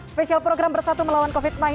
spesial program bersatu melawan covid sembilan belas